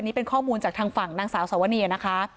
นี่เป็นข้อมูลจากทางฝั่งนางสาวสวนียนะคะ